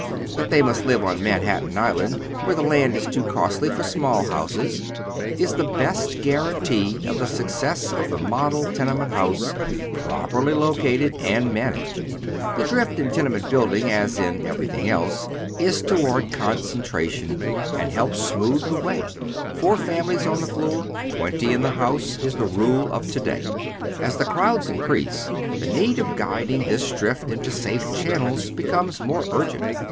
that they iimst live on Manhattan Island, where the land is too costly for small houses — is the best guarantee of the success of the model tenement house, properly located and managed. The drift in tene ,y Google HOW THE CASE STANDS. 289 ment building, aa in everything else, is toward concen tration, and helps smooth the way. Pour families on the floor, twenty in the house, is the rule of to day. As the crowds increase, the need of guiding this drift into safe channels becomes more urgent.